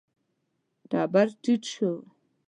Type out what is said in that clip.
تبر ټيټ شو.